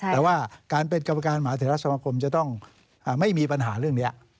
แต่ว่าการเป็นกรรมการมหาเทราสมคมจะต้องไม่มีปัญหาเรื่องนี้